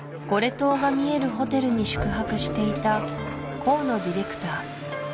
島が見えるホテルに宿泊していた河野ディレクター